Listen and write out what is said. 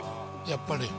やっぱり。